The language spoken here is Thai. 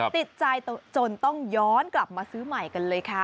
ติดใจจนต้องย้อนกลับมาซื้อใหม่กันเลยค่ะ